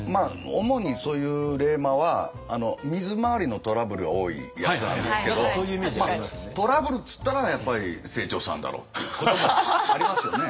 主にそういう冷マは水回りのトラブルが多いやつなんですけどトラブルっていったらやっぱり清張さんだろうっていうこともありますよね。